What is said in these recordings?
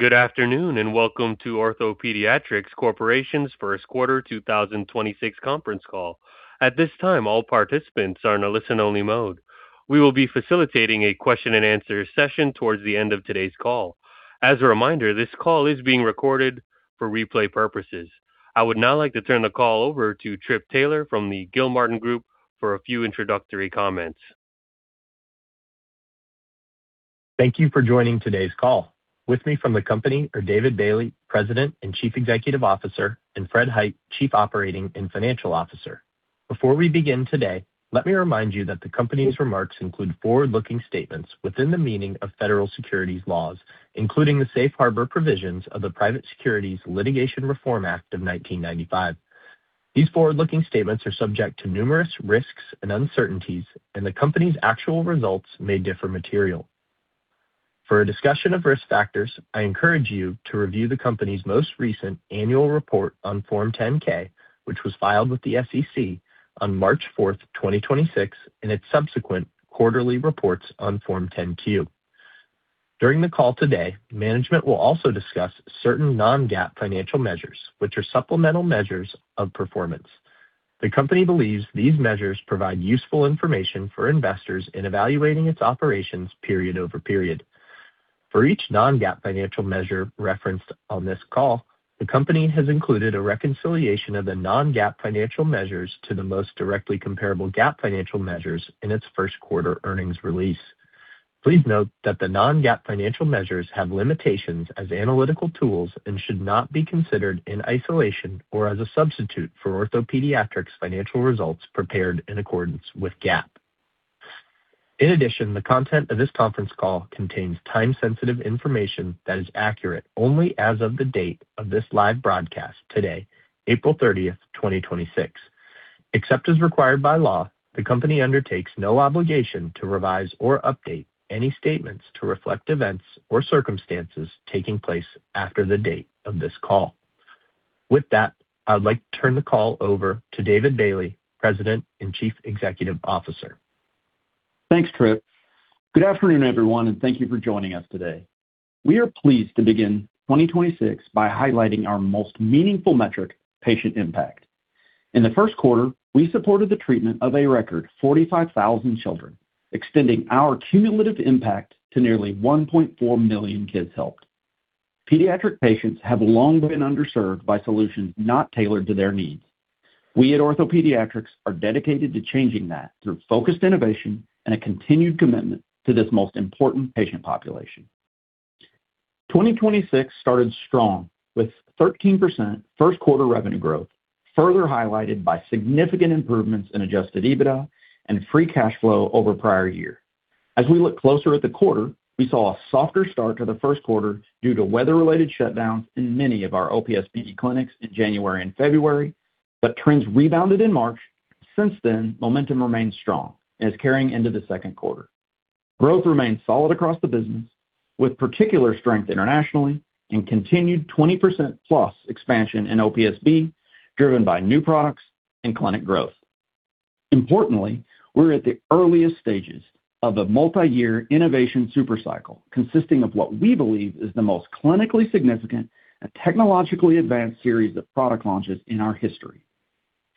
Good afternoon. Welcome to OrthoPediatrics Corporation's Q1 2026 Conference Call. At this time, all participants are in a listen-only mode. We will be facilitating a question and answer session towards the end of today's call. As a reminder, this call is being recorded for replay purposes. I would now like to turn the call over to Philip Taylor from The Gilmartin Group for a few introductory comments. Thank you for joining today's call. With me from the company are David Bailey, President and Chief Executive Officer, and Fred Hite, Chief Operating and Financial Officer. Before we begin today, let me remind you that the company's remarks include forward-looking statements within the meaning of federal securities laws, including the safe harbor provisions of the Private Securities Litigation Reform Act of 1995. These forward-looking statements are subject to numerous risks and uncertainties, and the company's actual results may differ materially. For a discussion of risk factors, I encourage you to review the company's most recent annual report on Form 10-K, which was filed with the SEC on March 4, 2026, and its subsequent quarterly reports on Form 10-Q. During the call today, management will also discuss certain non-GAAP financial measures, which are supplemental measures of performance. The company believes these measures provide useful information for investors in evaluating its operations period over period. For each non-GAAP financial measure referenced on this call, the company has included a reconciliation of the non-GAAP financial measures to the most directly comparable GAAP financial measures in its Q1 earnings release. Please note that the non-GAAP financial measures have limitations as analytical tools and should not be considered in isolation or as a substitute for OrthoPediatrics financial results prepared in accordance with GAAP. In addition, the content of this conference call contains time-sensitive information that is accurate only as of the date of this live broadcast today, April 30th, 2026. Except as required by law, the company undertakes no obligation to revise or update any statements to reflect events or circumstances taking place after the date of this call. With that, I'd like to turn the call over to David Bailey, President and Chief Executive Officer. Thanks, Tripp. Good afternoon, everyone, and thank you for joining us today. We are pleased to begin 2026 by highlighting our most meaningful metric, patient impact. In the Q1, we supported the treatment of a record 45,000 children, extending our cumulative impact to nearly 1.4 million kids helped. Pediatric patients have long been underserved by solutions not tailored to their needs. We at OrthoPediatrics are dedicated to changing that through focused innovation and a continued commitment to this most important patient population. 2026 started strong with 13% Q1 revenue growth, further highlighted by significant improvements in adjusted EBITDA and free cash flow over prior year. As we look closer at the quarter, we saw a softer start to the Q1 due to weather-related shutdowns in many of our OPSB clinics in January and February, but trends rebounded in March. Since then, momentum remains strong and is carrying into the Q2. Growth remains solid across the business, with particular strength internationally and continued 20%-plus expansion in OPSB, driven by new products and clinic growth. Importantly, we're at the earliest stages of a multi-year innovation super cycle consisting of what we believe is the most clinically significant and technologically advanced series of product launches in our history.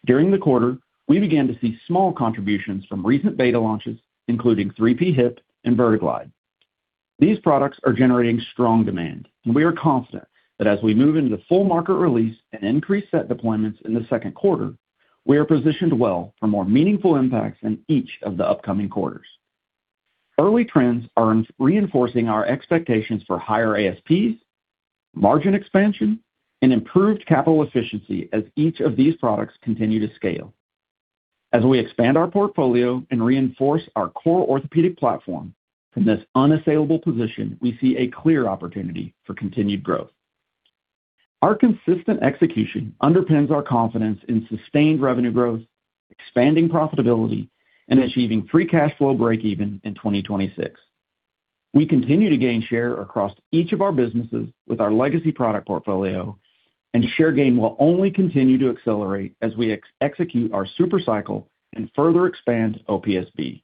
During the quarter, we began to see small contributions from recent beta launches, including 3P Hip and VerteGlide. These products are generating strong demand, and we are confident that as we move into full market release and increase set deployments in the Q2, we are positioned well for more meaningful impacts in each of the upcoming quarters. Early trends are reinforcing our expectations for higher ASPs, margin expansion, and improved capital efficiency as each of these products continue to scale. As we expand our portfolio and reinforce our core orthopedic platform from this unassailable position, we see a clear opportunity for continued growth. Our consistent execution underpins our confidence in sustained revenue growth, expanding profitability, and achieving free cash flow breakeven in 2026. We continue to gain share across each of our businesses with our legacy product portfolio, and share gain will only continue to accelerate as we execute our super cycle and further expand OPSB.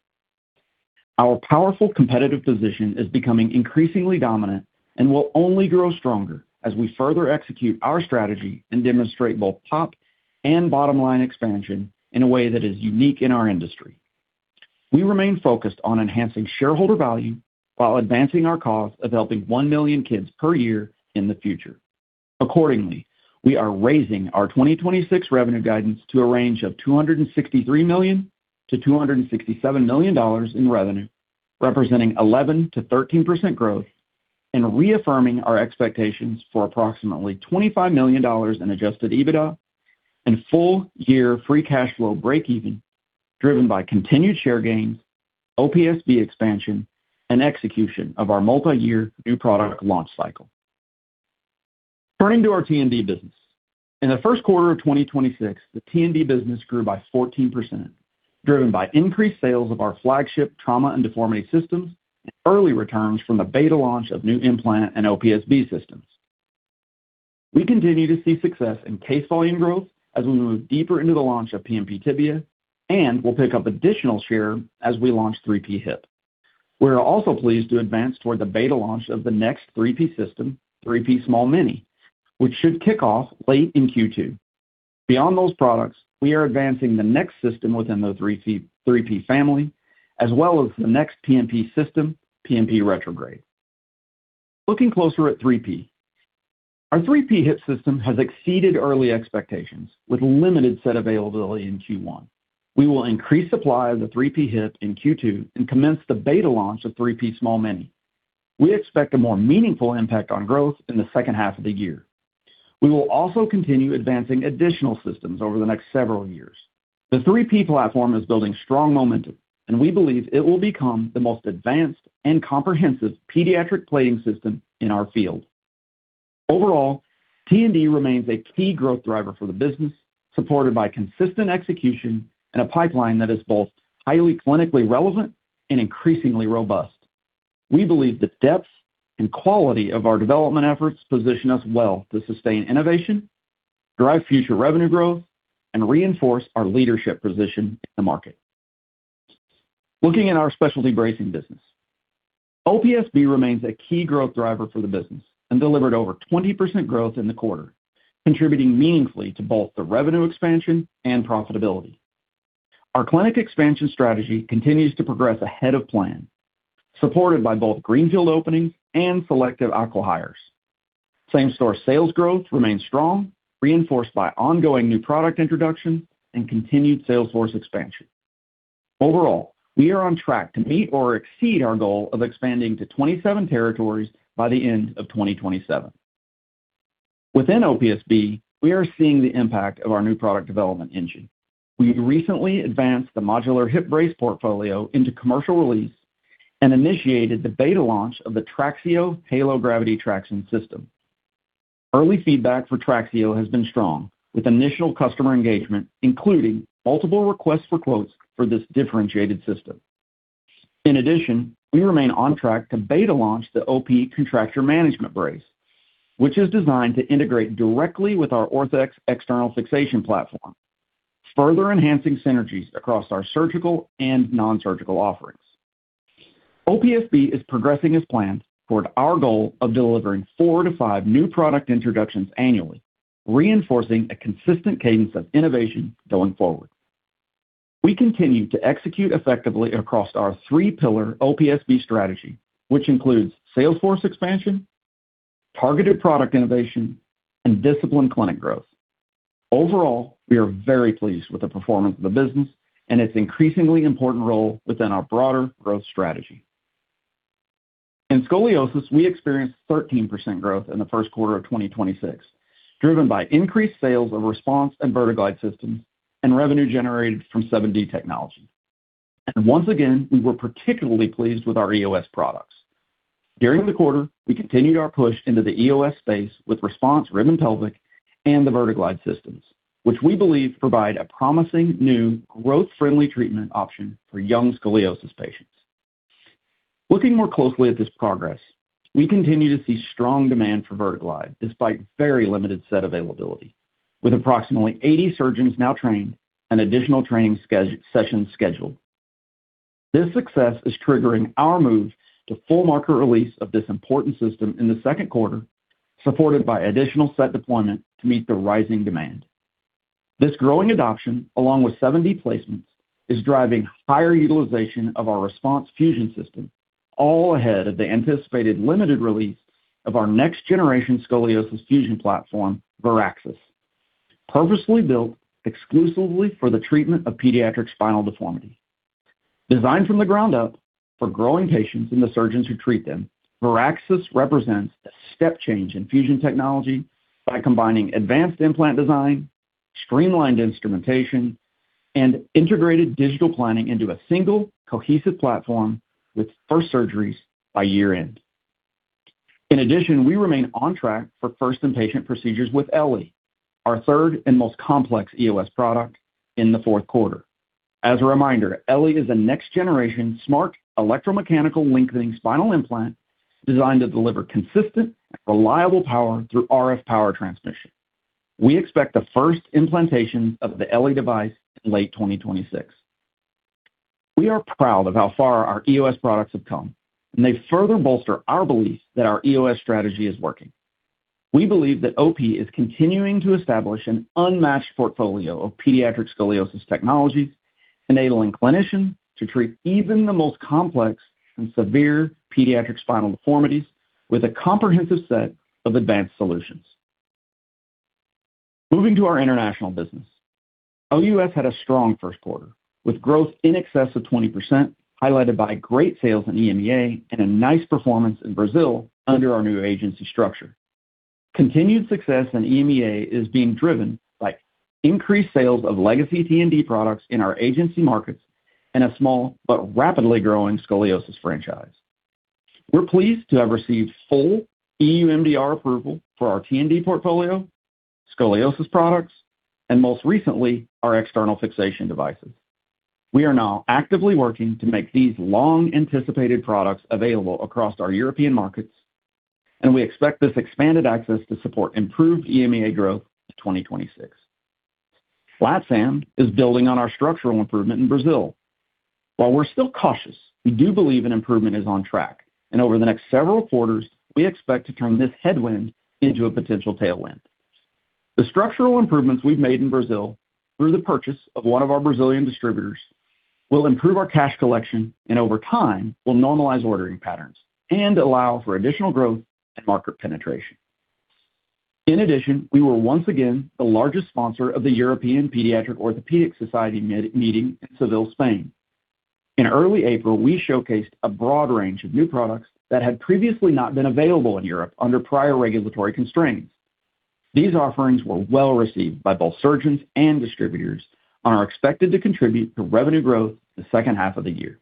Our powerful competitive position is becoming increasingly dominant and will only grow stronger as we further execute our strategy and demonstrate both top and bottom-line expansion in a way that is unique in our industry. We remain focused on enhancing shareholder value while advancing our cause of helping 1 million kids per year in the future. Accordingly, we are raising our 2026 revenue guidance to a range of $263 million-$267 million in revenue, representing 11%-13% growth, and reaffirming our expectations for approximately $25 million in adjusted EBITDA and full year free cash flow breakeven, driven by continued share gains, OPSB expansion, and execution of our multi-year new product launch cycle. Turning to our T&D business. In the Q1 of 2026, the T&D business grew by 14%, driven by increased sales of our flagship trauma and deformity systems. We continue to see success in case volume growth as we move deeper into the launch of PNP Tibia, and we'll pick up additional share as we launch 3P Hip. We are also pleased to advance toward the beta launch of the next 3P system, 3P Small Mini, which should kick off late in Q2. Beyond those products, we are advancing the next system within the 3P family, as well as the next PNP system, PNP retrograde. Looking closer at 3P. Our 3P Hip system has exceeded early expectations with limited set availability in Q1. We will increase supply of the 3P Hip in Q2 and commence the beta launch of 3P Small Mini. We expect a more meaningful impact on growth in the second half of the year. We will also continue advancing additional systems over the next several years. The 3P platform is building strong momentum, and we believe it will become the most advanced and comprehensive pediatric plating system in our field. Overall, T&D remains a key growth driver for the business, supported by consistent execution and a pipeline that is both highly clinically relevant and increasingly robust. We believe the depth and quality of our development efforts position us well to sustain innovation, drive future revenue growth, and reinforce our leadership position in the market. Looking at our specialty bracing business. OPSB remains a key growth driver for the business and delivered over 20% growth in the quarter, contributing meaningfully to both the revenue expansion and profitability. Our clinic expansion strategy continues to progress ahead of plan, supported by both greenfield openings and selective acqui-hires. Same-store sales growth remains strong, reinforced by ongoing new product introduction and continued sales force expansion. Overall, we are on track to meet or exceed our goal of expanding to 27 territories by the end of 2027. Within OPSB, we are seeing the impact of our new product development engine. We recently advanced the modular hip brace portfolio into commercial release and initiated the beta launch of the TRAXIO Halo Gravity Traction System. Early feedback for TRAXIO has been strong, with initial customer engagement, including multiple requests for quotes for this differentiated system. We remain on track to beta launch the OP Contracture Management Brace, which is designed to integrate directly with our ORTHEX external fixation platform, further enhancing synergies across our surgical and nonsurgical offerings. OPSB is progressing as planned toward our goal of delivering 4 to 5 new product introductions annually, reinforcing a consistent cadence of innovation going forward. We continue to execute effectively across our 3-pillar OPSB strategy, which includes sales force expansion, targeted product innovation, and disciplined clinic growth. Overall, we are very pleased with the performance of the business and its increasingly important role within our broader growth strategy. In scoliosis, we experienced 13% growth in the Q1 of 2026, driven by increased sales of RESPONSE and VerteGlide systems and revenue generated from 7D technology. Once again, we were particularly pleased with our EOS products. During the quarter, we continued our push into the EOS space with RESPONSE Rib and Pelvic and the VerteGlide systems, which we believe provide a promising new growth-friendly treatment option for young scoliosis patients. Looking more closely at this progress, we continue to see strong demand for VerteGlide despite very limited set availability. With approximately 80 surgeons now trained and additional training sessions scheduled. This success is triggering our move to full market release of this important system in the Q2, supported by additional set deployment to meet the rising demand. This growing adoption, along with 7D placements, is driving higher utilization of our RESPONSE fusion system, all ahead of the anticipated limited release of our next-generation scoliosis fusion platform, Veraxis. Purposely built exclusively for the treatment of pediatric spinal deformity. Designed from the ground up for growing patients and the surgeons who treat them, Veraxis represents a step change in fusion technology by combining advanced implant design, streamlined instrumentation, and integrated digital planning into a single cohesive platform with first surgeries by year-end. In addition, we remain on track for first in-patient procedures with Elli, our third and most complex EOS product in the fourth quarter. As a reminder, Elli is a next-generation smart electromechanical lengthening spinal implant designed to deliver consistent and reliable power through RF power transmission. We expect the first implantation of the Elli device in late 2026. We are proud of how far our EOS products have come, and they further bolster our belief that our EOS strategy is working. We believe that OP is continuing to establish an unmatched portfolio of pediatric scoliosis technologies, enabling clinicians to treat even the most complex and severe pediatric spinal deformities with a comprehensive set of advanced solutions. Moving to our international business. OUS had a strong Q1, with growth in excess of 20%, highlighted by great sales in EMEA and a nice performance in Brazil under our new agency structure. Continued success in EMEA is being driven by increased sales of legacy T&D products in our agency markets and a small but rapidly growing scoliosis franchise. We're pleased to have received full EU MDR approval for our T&D portfolio, scoliosis products, and most recently, our external fixation devices. We are now actively working to make these long-anticipated products available across our European markets. We expect this expanded access to support improved EMEA growth in 2026. Flat sand is building on our structural improvement in Brazil. While we're still cautious, we do believe an improvement is on track. Over the next several quarters, we expect to turn this headwind into a potential tailwind. The structural improvements we've made in Brazil through the purchase of one of our Brazilian distributors will improve our cash collection and over time will normalize ordering patterns and allow for additional growth and market penetration. In addition, we were once again the largest sponsor of the European Paediatric Orthopaedic Society medi-meeting in Seville, Spain. In early April, we showcased a broad range of new products that had previously not been available in Europe under prior regulatory constraints. These offerings were well-received by both surgeons and distributors and are expected to contribute to revenue growth in the second half of the year.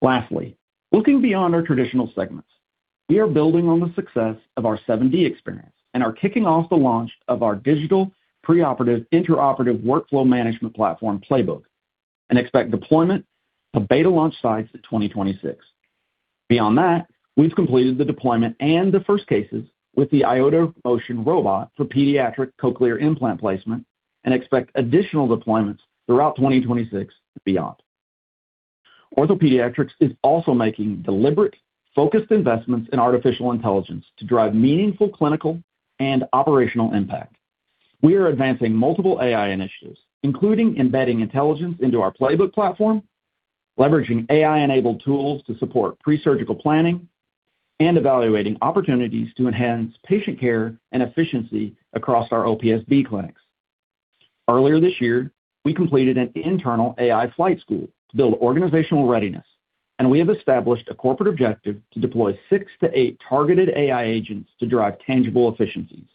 Lastly, looking beyond our traditional segments, we are building on the success of our 7D experience and are kicking off the launch of our digital preoperative intraoperative workflow management platform Playbook and expect deployment to beta launch sites in 2026. Beyond that, we've completed the deployment and the first cases with the iOTAMOTION robot for pediatric cochlear implant placement and expect additional deployments throughout 2026 and beyond. OrthoPediatrics is also making deliberate, focused investments in artificial intelligence to drive meaningful clinical and operational impact. We are advancing multiple AI initiatives, including embedding intelligence into our Playbook platform, leveraging AI-enabled tools to support presurgical planning, and evaluating opportunities to enhance patient care and efficiency across our OPSB clinics. Earlier this year, we completed an internal AI flight school to build organizational readiness, and we have established a corporate objective to deploy 6 to 8 targeted AI agents to drive tangible efficiencies.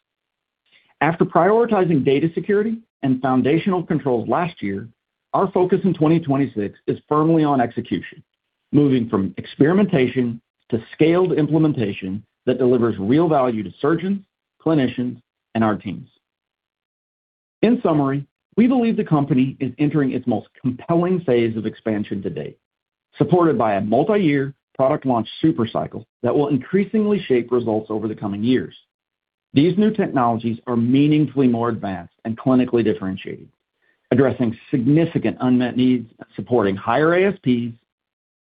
After prioritizing data security and foundational controls last year, our focus in 2026 is firmly on execution, moving from experimentation to scaled implementation that delivers real value to surgeons, clinicians, and our teams. In summary, we believe the company is entering its most compelling phase of expansion to date, supported by a multiyear product launch super cycle that will increasingly shape results over the coming years. These new technologies are meaningfully more advanced and clinically differentiated, addressing significant unmet needs, supporting higher ASPs,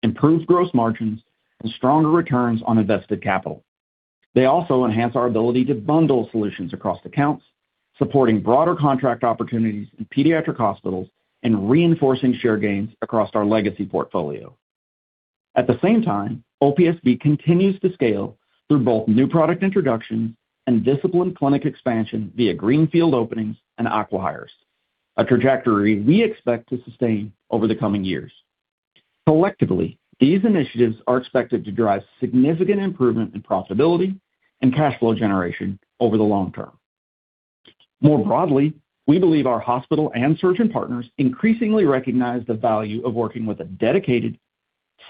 improved gross margins, and stronger returns on invested capital. They also enhance our ability to bundle solutions across accounts, supporting broader contract opportunities in pediatric hospitals and reinforcing share gains across our legacy portfolio. At the same time, OPSB continues to scale through both new product introduction and disciplined clinic expansion via greenfield openings and acquihires, a trajectory we expect to sustain over the coming years. Collectively, these initiatives are expected to drive significant improvement in profitability and cash flow generation over the long term. More broadly, we believe our hospital and surgeon partners increasingly recognize the value of working with a dedicated,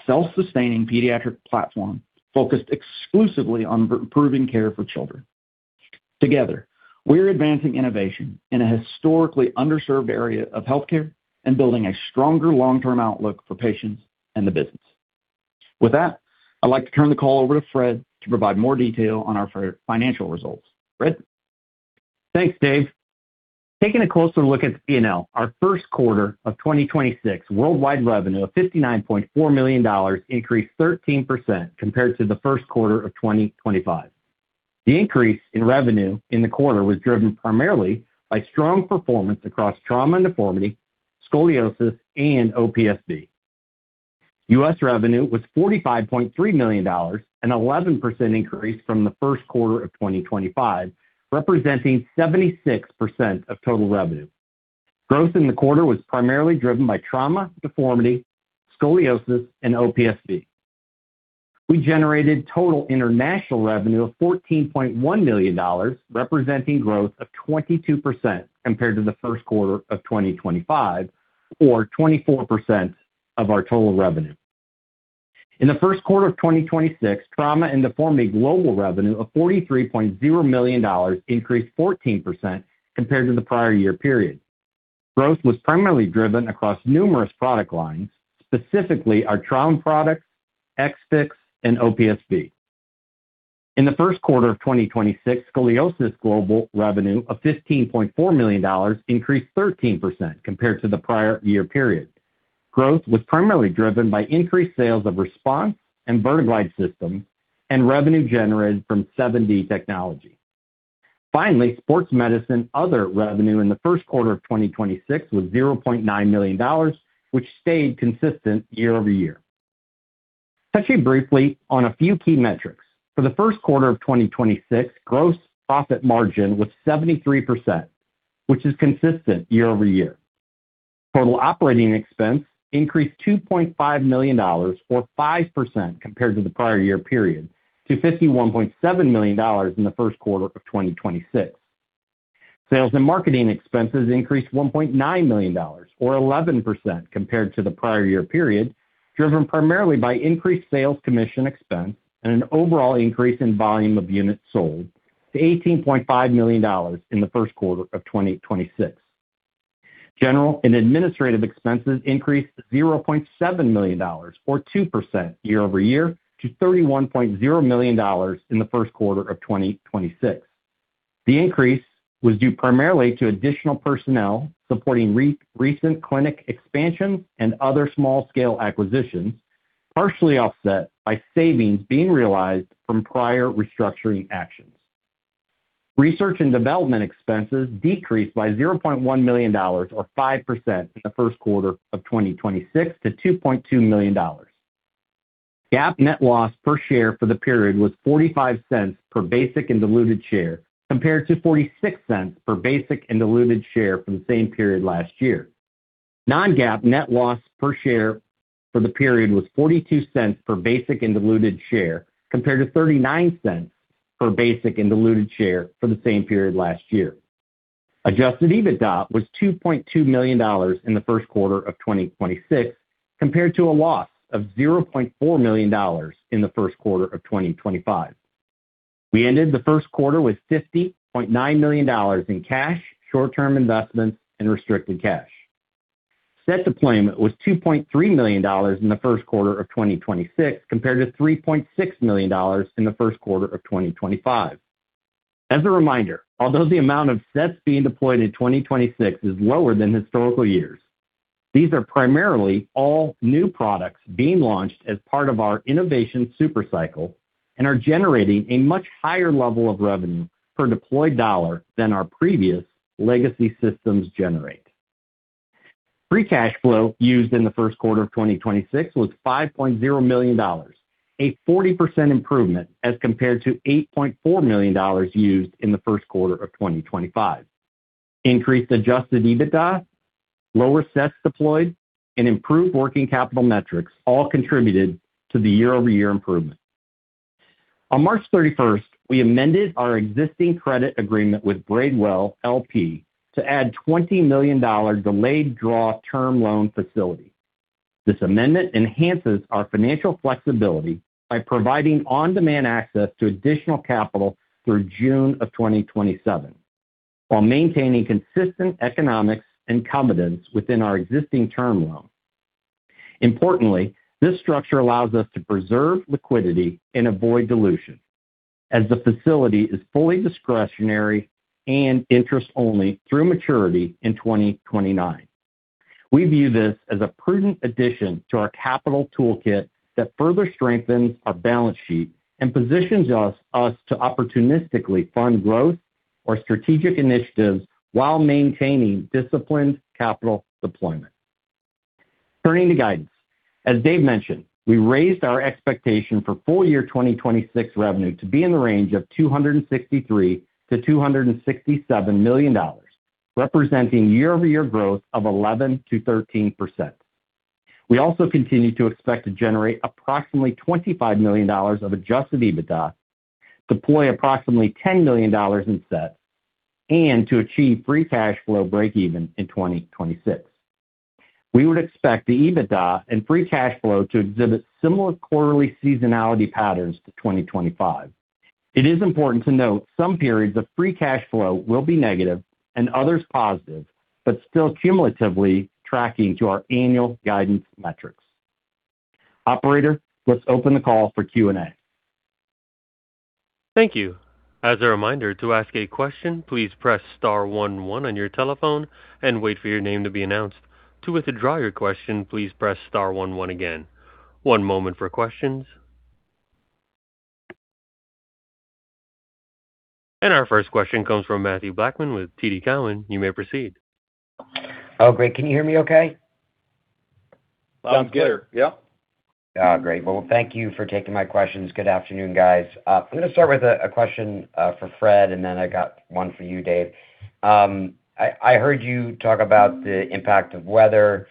self-sustaining pediatric platform focused exclusively on improving care for children. Together, we're advancing innovation in a historically underserved area of healthcare and building a stronger long-term outlook for patients and the business. With that, I'd like to turn the call over to Fred to provide more detail on our financial results. Fred? Thanks, Dave. Taking a closer look at P&L, our Q1 of 2026 worldwide revenue of $59.4 million increased 13% compared to the Q1 of 2025. The increase in revenue in the quarter was driven primarily by strong performance across Trauma and Deformity, scoliosis, and OPSB. U.S. revenue was $45.3 million, an 11% increase from the Q1 of 2025, representing 76% of total revenue. Growth in the quarter was primarily driven by Trauma, Deformity, scoliosis, and OPSB. We generated total international revenue of $14.1 million, representing growth of 22% compared to the Q1 of 2025 or 24% of our total revenue. In the Q1 of 2026, Trauma and Deformity global revenue of $43.0 million increased 14% compared to the prior year period. Growth was primarily driven across numerous product lines, specifically our trauma products, XFix, and OPSB. In the Q1 of 2026, scoliosis global revenue of $15.4 million increased 13% compared to the prior year period. Growth was primarily driven by increased sales of RESPONSE and VerteGlide systems and revenue generated from 7D technology. Finally, sports medicine other revenue in the Q1 of 2026 was $0.9 million, which stayed consistent year over year. Touching briefly on a few key metrics. For the Q1 of 2026, gross profit margin was 73%, which is consistent year over year. Total operating expense increased $2.5 million or 5% compared to the prior year period to $51.7 million in the Q1 of 2026. Sales and marketing expenses increased $1.9 million or 11% compared to the prior year period, driven primarily by increased sales commission expense and an overall increase in volume of units sold to $18.5 million in the Q1 of 2026. General and administrative expenses increased $0.7 million, or 2% year over year, to $31.0 million in the Q1 of 2026. The increase was due primarily to additional personnel supporting re-recent clinic expansions and other small scale acquisitions, partially offset by savings being realized from prior restructuring actions. Research and development expenses decreased by $0.1 million, or 5% in the Q1 of 2026, to $2.2 million. GAAP net loss per share for the period was $0.45 per basic and diluted share, compared to $0.46 per basic and diluted share from the same period last year. Non-GAAP net loss per share for the period was $0.42 per basic and diluted share, compared to $0.39 per basic and diluted share for the same period last year. Adjusted EBITDA was $2.2 million in the Q1 of 2026, compared to a loss of $0.4 million in the Q1 of 2025. We ended the Q1 with $50.9 million in cash, short-term investments and restricted cash. Set deployment was $2.3 million in the Q1 of 2026, compared to $3.6 million in the Q1 of 2025. As a reminder, although the amount of sets being deployed in 2026 is lower than historical years, these are primarily all new products being launched as part of our innovation super cycle and are generating a much higher level of revenue per deployed dollar than our previous legacy systems generate. Free cash flow used in the Q1 of 2026 was $5.0 million, a 40% improvement as compared to $8.4 million used in the Q1 of 2025. Increased adjusted EBITDA, lower sets deployed and improved working capital metrics all contributed to the year-over-year improvement. On March 31st, we amended our existing credit agreement with Braidwell LP to add $20 million delayed draw term loan facility. This amendment enhances our financial flexibility by providing on-demand access to additional capital through June of 2027, while maintaining consistent economics and confidence within our existing term loan. Importantly, this structure allows us to preserve liquidity and avoid dilution as the facility is fully discretionary and interest only through maturity in 2029. We view this as a prudent addition to our capital toolkit that further strengthens our balance sheet and positions us to opportunistically fund growth or strategic initiatives while maintaining disciplined capital deployment. Turning to guidance. As Dave mentioned, we raised our expectation for full year 2026 revenue to be in the range of $263 million-$267 million, representing year-over-year growth of 11%-13%. We also continue to expect to generate approximately $25 million of adjusted EBITDA, deploy approximately $10 million in sets and to achieve free cash flow breakeven in 2026. We would expect the EBITDA and free cash flow to exhibit similar quarterly seasonality patterns to 2025. It is important to note some periods of free cash flow will be negative and others positive, but still cumulatively tracking to our annual guidance metrics. Operator, let's open the call for Q&A. Thank you. As a reminder, to ask a question, please press star one one on your telephone and wait for your name to be announced. To withdraw your question, please press star one one again. One moment for questions. Our first question comes from Mathew Blackman with TD Cowen. You may proceed. Oh, great. Can you hear me okay? Sounds clear. Well, thank you for taking my questions. Good afternoon, guys. I'm gonna start with a question for Fred, then I got one for you, Dave. I heard you talk about the impact of weather,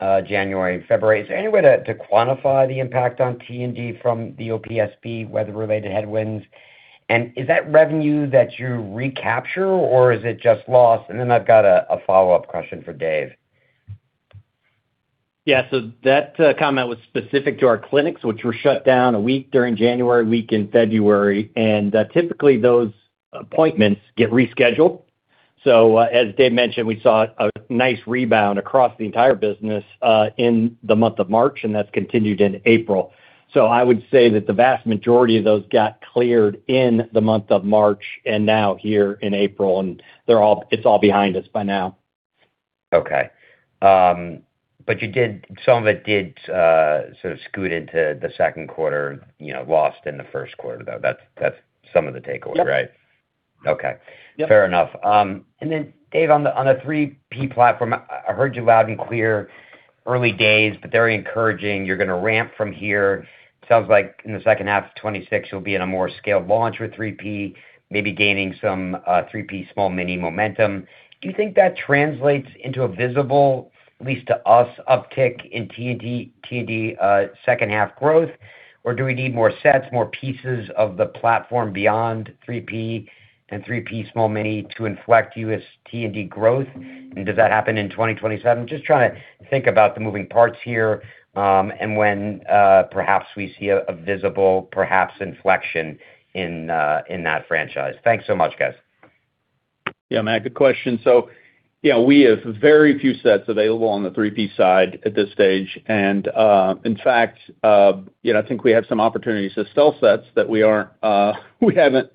January and February. Is there any way to quantify the impact on T&D from the OPSB weather-related headwinds? Is that revenue that you recapture or is it just lost? Then I've got a follow-up question for Dave. Yeah. That comment was specific to our clinics, which were shut down 1 week during January, 1 week in February. Typically those appointments get rescheduled. As Dave mentioned, we saw a nice rebound across the entire business in the month of March, and that's continued in April. I would say that the vast majority of those got cleared in the month of March and now here in April, and it's all behind us by now. Okay. Some of it did sort of scoot into the Q2, you know, lost in the Q1, though. That's some of the takeaway, right? Yes. Okay. Yes. Fair enough. Dave, on the 3P platform, I heard you loud and clear, early days, but very encouraging. You're gonna ramp from here. Sounds like in the second half of 2026 you'll be in a more scaled launch with 3P, maybe gaining some 3P Small Mini momentum. Do you think that translates into a visible, at least to us, uptick in T&D growth, or do we need more sets, more pieces of the platform beyond 3P and 3P Small Mini to inflect U.S. T&D growth? Does that happen in 2027? Just trying to think about the moving parts here, and when perhaps we see a visible perhaps inflection in that franchise. Thanks so much, guys. Yeah, Mathew, good question. Yeah, we have very few sets available on the 3P side at this stage. In fact, you know, I think we have some opportunities to sell sets that we haven't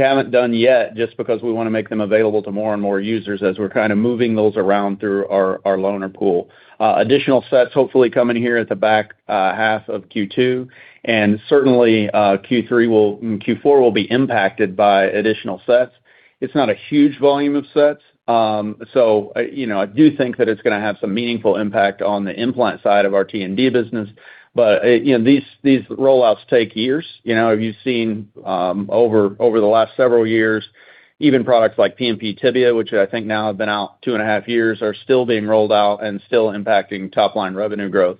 done yet just because we wanna make them available to more and more users as we're kind of moving those around through our loaner pool. Additional sets hopefully coming here at the back, half of Q2, and certainly, Q4 will be impacted by additional sets. It's not a huge volume of sets. You know, I do think that it's gonna have some meaningful impact on the implant side of our T&D business. You know, these rollouts take years. You know, you've seen, over the last several years, even products like PNP Tibia, which I think now have been out 2 and a half years, are still being rolled out and still impacting top-line revenue growth.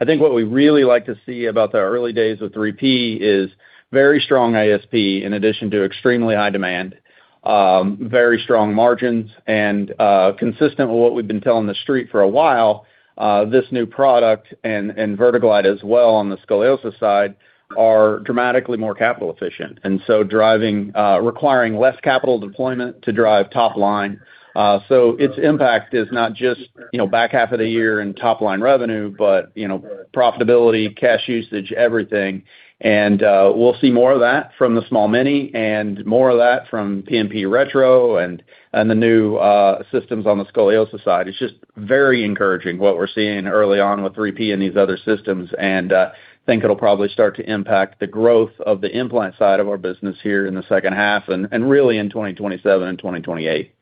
I think what we really like to see about the early days with 3P is very strong ASP in addition to extremely high demand, very strong margins. Consistent with what we've been telling the street for a while, this new product and VerteGlide as well on the scoliosis side are dramatically more capital efficient, requiring less capital deployment to drive top-line. Its impact is not just, you know, back half of the year and top-line revenue, but, you know, profitability, cash usage, everything. We'll see more of that from the Small Mini and more of that from PNP retrograde and the new systems on the scoliosis side. It's just very encouraging what we're seeing early on with 3P and these other systems. Think it'll probably start to impact the growth of the implant side of our business here in the second half and really in 2027 and 2028.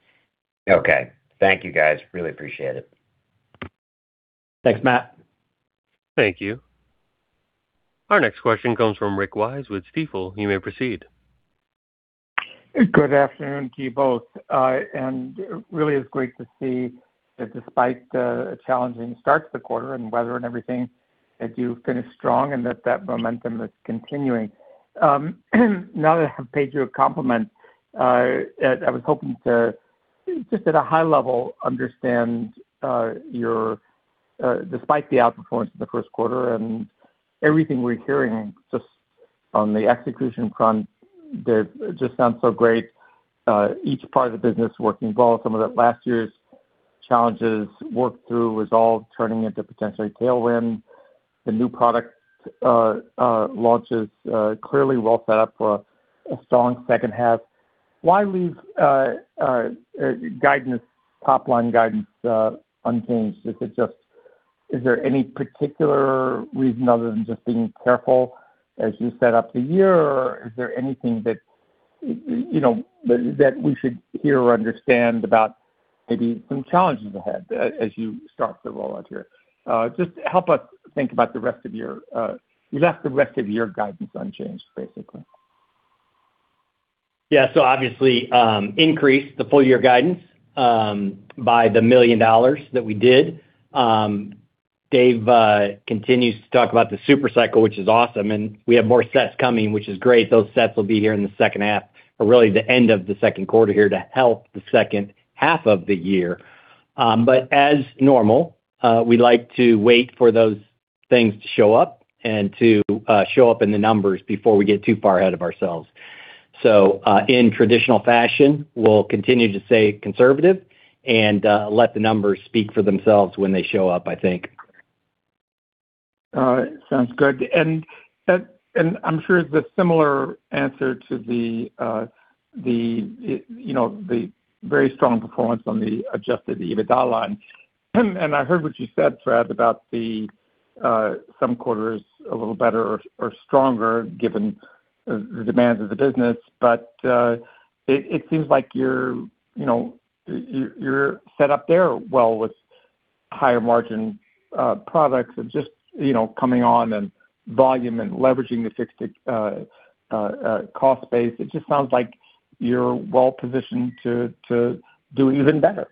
Okay. Thank you, guys. Really appreciate it. Thanks, Mathew. Thank you. Our next question comes from Rick Wise with Stifel. You may proceed. Good afternoon to you both. Really, it's great to see that despite the challenging start to the quarter and weather and everything, that you finished strong and that momentum is continuing. Now that I've paid you a compliment, I was hoping to, just at a high level, understand, despite the outperformance in the Q1 and everything we're hearing just on the execution front, just sounds so great. Each part of the business working well. Some of the last year's challenges worked through, resolved, turning into potentially tailwind. The new product launches clearly well set up for a strong second half. Why leave guidance, top line guidance, unchanged? Is it just. Is there any particular reason other than just being careful as you set up the year? Is there anything that, you know, that we should hear or understand about maybe some challenges ahead, as you start the rollout here? Just help us think about the rest of your, you left the rest of your guidance unchanged, basically. Obviously, increased the full year guidance by the $1 million that we did. Dave continues to talk about the super cycle, which is awesome, and we have more sets coming, which is great. Those sets will be here in the second half or really the end of the Q2 here to help the second half of the year. As normal, we like to wait for those things to show up and to show up in the numbers before we get too far ahead of ourselves. In traditional fashion, we'll continue to stay conservative and let the numbers speak for themselves when they show up, I think. Sounds good. I'm sure it's a similar answer to the, you know, the very strong performance on the adjusted EBITDA line. I heard what you said, Fred, about some quarters a little better or stronger given the demands of the business. It seems like you're, you know, you're set up there well with higher margin products and just, you know, coming on and volume and leveraging the fixed cost base. It just sounds like you're well positioned to do even better.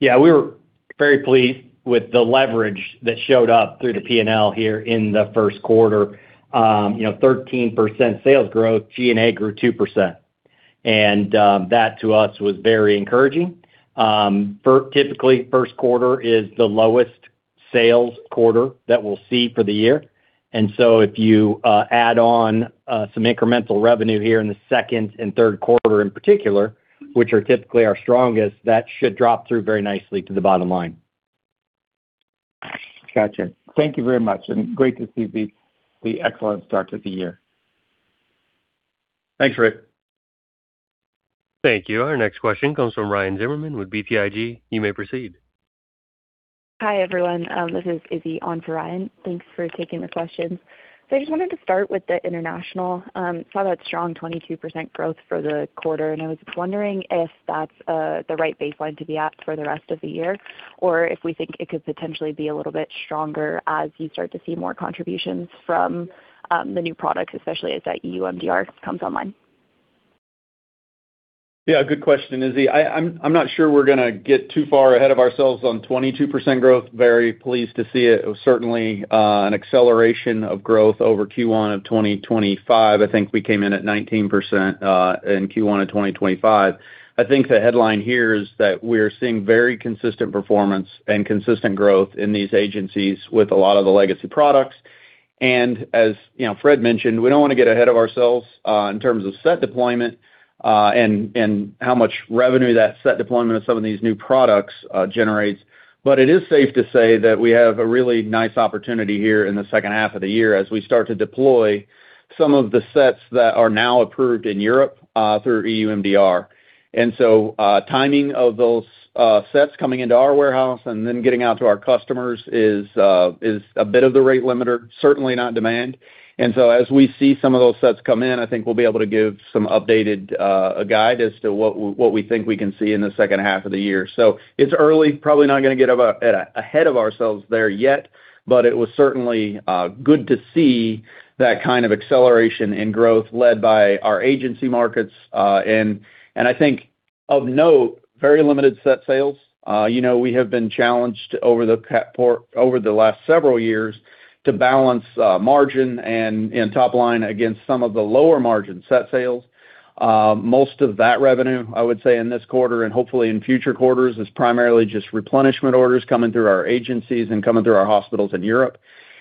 Yeah, we were very pleased with the leverage that showed up through the P&L here in the Q1. you know, 13% sales growth, G&A grew 2%. That to us was very encouraging. Typically, Q1 is the lowest sales quarter that we'll see for the year. If you add on some incremental revenue here in the second and third quarter in particular, which are typically our strongest, that should drop through very nicely to the bottom line. Got you. Thank you very much, and great to see the excellent start to the year. Thanks, Rick. Thank you. Our next question comes from Ryan Zimmerman with BTIG. You may proceed. Hi, everyone. This is Lindsay on for Ryan. Thanks for taking the questions. I just wanted to start with the international, saw that strong 22% growth for the quarter, and I was wondering if that's the right baseline to be at for the rest of the year, or if we think it could potentially be a little bit stronger as you start to see more contributions from the new products, especially as that EU MDR comes online. Yeah, good question, Lindsay. I'm not sure we're gonna get too far ahead of ourselves on 22% growth. Very pleased to see it. It was certainly an acceleration of growth over Q1 of 2025. I think we came in at 19%, in Q1 of 2025. I think the headline here is that we're seeing very consistent performance and consistent growth in these agencies with a lot of the legacy products. As, you know, Fred mentioned, we don't wanna get ahead of ourselves, in terms of set deployment, and how much revenue that set deployment of some of these new products generates. It is safe to say that we have a really nice opportunity here in the second half of the year as we start to deploy some of the sets that are now approved in Europe through EU MDR. Timing of those sets coming into our warehouse and then getting out to our customers is a bit of the rate limiter, certainly not demand. As we see some of those sets come in, I think we'll be able to give some updated guide as to what we think we can see in the second half of the year. It's early, probably not going to get ahead of ourselves there yet, but it was certainly good to see that kind of acceleration and growth led by our agency markets. I think of note, very limited set sales. You know, we have been challenged over the last several years to balance margin and top line against some of the lower margin set sales. Most of that revenue, I would say in this quarter and hopefully in future quarters, is primarily just replenishment orders coming through our agencies and coming through our hospitals in Europe.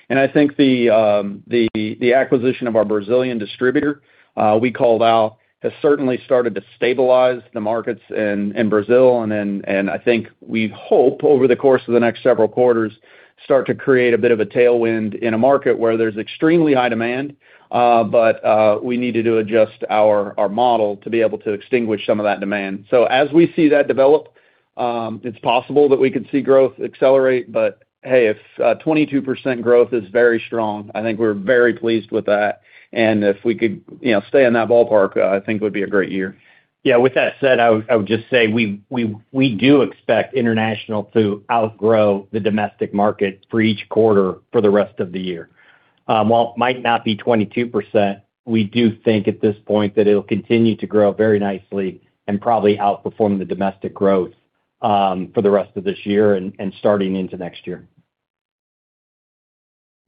I think the acquisition of our Brazilian distributor, we called out, has certainly started to stabilize the markets in Brazil. I think we hope over the course of the next several quarters, start to create a bit of a tailwind in a market where there's extremely high demand, but we needed to adjust our model to be able to extinguish some of that demand. As we see that develop, it's possible that we could see growth accelerate, but if 22% growth is very strong, I think we're very pleased with that. If we could, you know, stay in that ballpark, I think it would be a great year. Yeah, with that said, I would just say we do expect international to outgrow the domestic market for each quarter for the rest of the year. While it might not be 22%, we do think at this point that it'll continue to grow very nicely and probably outperform the domestic growth for the rest of this year and starting into next year.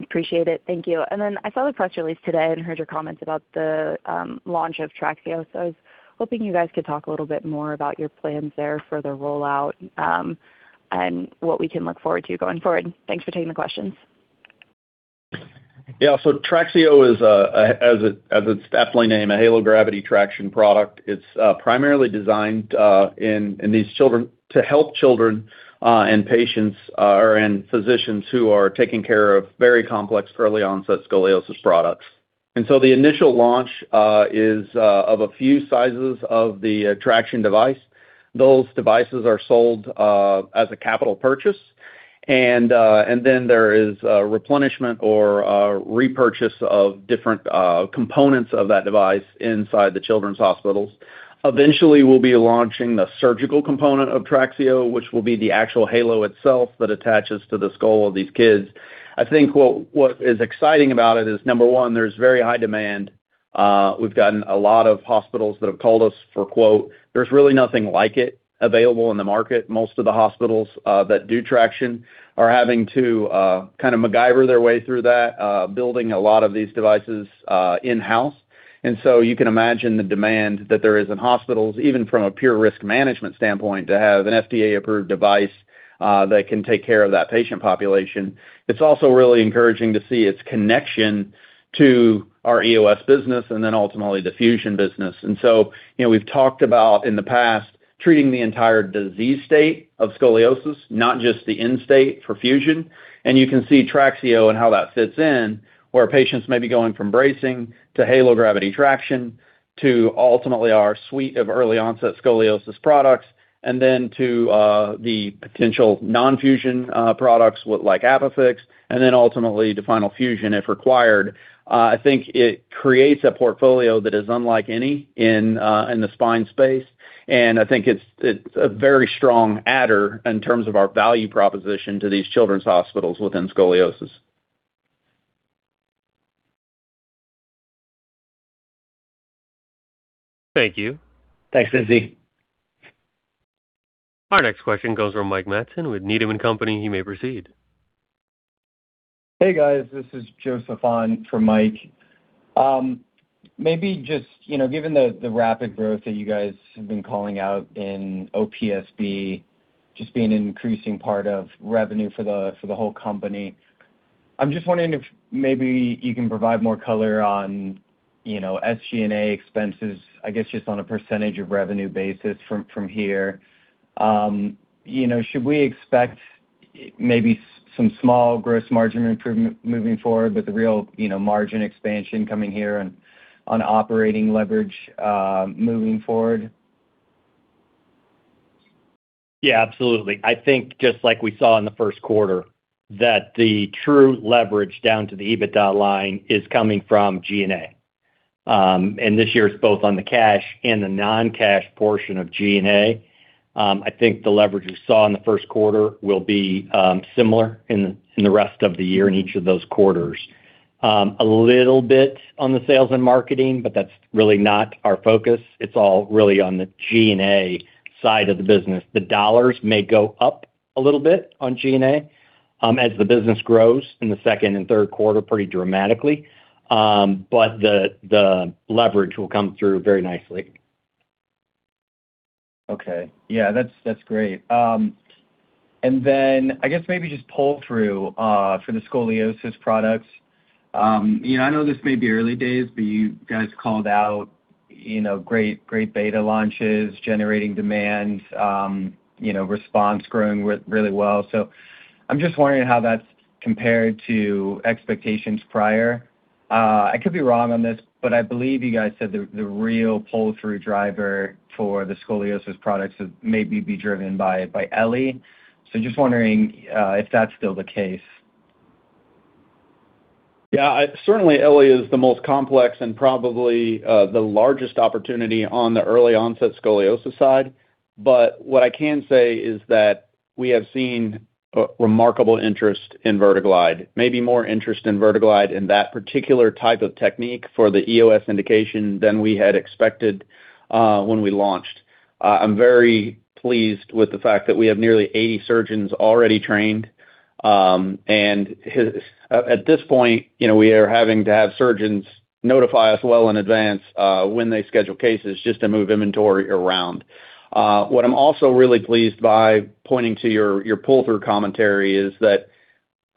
Appreciate it. Thank you. I saw the press release today and heard your comments about the launch of TRAXIO. I was hoping you guys could talk a little bit more about your plans there for the rollout and what we can look forward to going forward. Thanks for taking the questions. Yeah. TRAXIO is as it's aptly named, a Halo Gravity Traction product. It's primarily designed in these children to help children and patients and physicians who are taking care of very complex early-onset scoliosis products. The initial launch is of a few sizes of the traction device. Those devices are sold as a capital purchase. There is a replenishment or a repurchase of different components of that device inside the children's hospitals. Eventually, we'll be launching the surgical component of TRAXIO, which will be the actual Halo itself that attaches to the skull of these kids. I think what is exciting about it is, number one, there's very high demand. We've gotten a lot of hospitals that have called us for quote. There's really nothing like it available in the market. Most of the hospitals that do traction are having to kind of MacGyver their way through that, building a lot of these devices in-house. You can imagine the demand that there is in hospitals, even from a pure risk management standpoint, to have an FDA-approved device that can take care of that patient population. It's also really encouraging to see its connection to our EOS business and then ultimately the Fusion business. You know, we've talked about in the past, treating the entire disease state of scoliosis, not just the end state for fusion. You can see TRAXIO and how that fits in, where patients may be going from bracing to Halo gravity traction to ultimately our suite of early-onset scoliosis products, and then to the potential non-fusion products with like ApiFix, and then ultimately to final fusion if required. I think it creates a portfolio that is unlike any in the spine space, and I think it's a very strong adder in terms of our value proposition to these children's hospitals within scoliosis. Thank you. Thanks, Lindsay. Our next question comes from Mike Matson with Needham & Company. You may proceed. Hey, guys, this is Joseph on for Mike. Maybe just, you know, given the rapid growth that you guys have been calling out in OPSB just being an increasing part of revenue for the whole company, I'm just wondering if maybe you can provide more color on, you know, SG&A expenses, I guess, just on a percentage of revenue basis from here. You know, should we expect maybe some small gross margin improvement moving forward with the real, you know, margin expansion coming here and on operating leverage moving forward? Yeah, absolutely. I think just like we saw in the Q1, that the true leverage down to the EBITDA line is coming from G&A. This year it's both on the cash and the non-cash portion of G&A. I think the leverage we saw in the Q1 will be similar in the rest of the year in each of those quarters. A little bit on the sales and marketing, but that's really not our focus. It's all really on the G&A side of the business. The dollars may go up a little bit on G&A, as the business grows in the second and third quarter pretty dramatically. The leverage will come through very nicely. Okay. Yeah, that's great. I guess maybe just pull through for the scoliosis products. You know, I know this may be early days, but you guys called out, you know, great beta launches, generating demand, RESPONSE growing really well. I'm just wondering how that's compared to expectations prior. I could be wrong on this, but I believe you guys said the real pull-through driver for the scoliosis products would maybe be driven by Elli. Just wondering if that's still the case. Yeah. Certainly Elli is the most complex and probably the largest opportunity on the early onset scoliosis side. What I can say is that we have seen a remarkable interest in VerteGlide, maybe more interest in VerteGlide in that particular type of technique for the EOS indication than we had expected when we launched. I'm very pleased with the fact that we have nearly 80 surgeons already trained. At this point, you know, we are having to have surgeons notify us well in advance when they schedule cases just to move inventory around. What I'm also really pleased by pointing to your pull-through commentary is that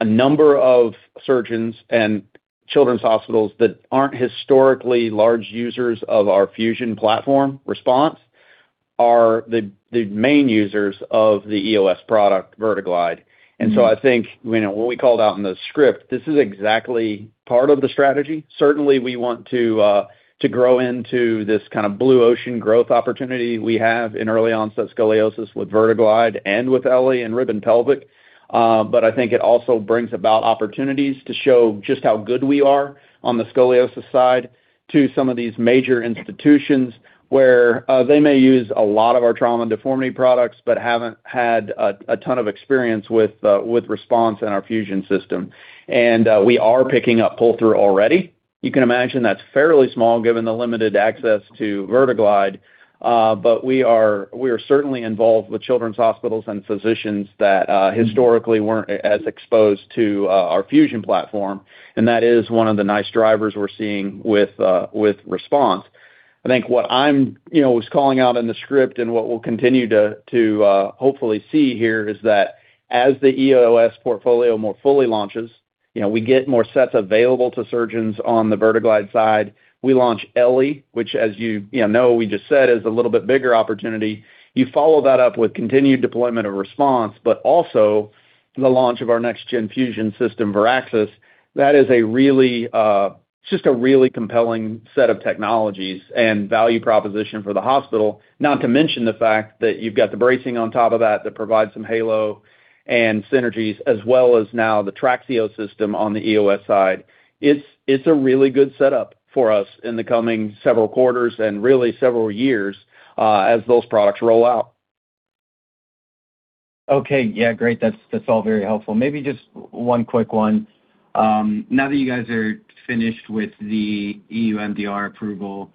a number of surgeons and children's hospitals that aren't historically large users of our Fusion platform, RESPONSE, are the main users of the EOS product, VerteGlide. I think, you know, when we called out in the script, this is exactly part of the strategy. Certainly, we want to grow into this kind of blue ocean growth opportunity we have in early onset scoliosis with VerteGlide and with Elli and Rib and Pelvic. But I think it also brings about opportunities to show just how good we are on the scoliosis side to some of these major institutions where they may use a lot of our trauma and deformity products, but haven't had a ton of experience with RESPONSE and our Fusion system. We are picking up pull-through already. You can imagine that's fairly small given the limited access to VerteGlide. But we are, we are certainly involved with children's hospitals and physicians that. Historically weren't as exposed to our Fusion platform, and that is one of the nice drivers we're seeing with RESPONSE. I think what I'm, you know, was calling out in the script and what we'll continue to, hopefully see here is that as the EOS portfolio more fully launches, you know, we get more sets available to surgeons on the VerteGlide side. We launch Elli, which as you know, we just said is a little bit bigger opportunity. You follow that up with continued deployment of RESPONSE, but also the launch of our next gen Fusion system, Veraxis. That is just a really compelling set of technologies and value proposition for the hospital. Not to mention the fact that you've got the bracing on top of that that provides some halo and synergies, as well as now the TRAXIO system on the EOS side. It's a really good setup for us in the coming several quarters and really several years, as those products roll out. Okay. Yeah, great. That's all very helpful. Maybe just one quick one. Now that you guys are finished with the EU MDR approval